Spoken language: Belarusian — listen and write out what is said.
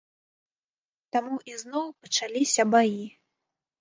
Таму ізноў пачаліся баі.